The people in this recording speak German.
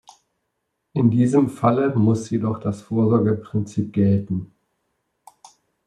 In diesem Falle muss jedoch das Vorsorgeprinzip gelten.